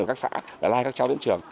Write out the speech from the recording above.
ở các xã lai các cháu đến trường